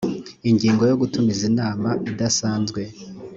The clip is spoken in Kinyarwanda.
ingingo yo gutumiza inama idasanzwe